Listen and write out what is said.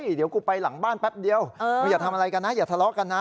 เดี๋ยวกูไปหลังบ้านแป๊บเดียวมึงอย่าทำอะไรกันนะอย่าทะเลาะกันนะ